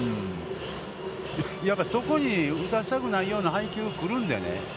やっぱりそこに、打たせたくないような配球が来るんでね。